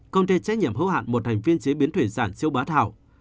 công ty trách nhiệm hữu hạn một thành viên chế biến thủy sản châu bá thảo